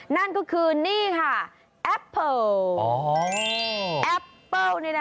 นั่นก็คือนี่ค่ะแอปเปิล